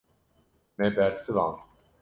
Me bersivand.